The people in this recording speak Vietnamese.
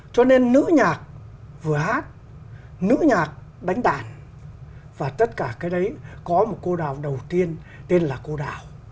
cho nên nữ nhạc vừa hát nữ nhạc đánh đàn và tất cả cái đấy có một cô đào đầu tiên tên là cô đào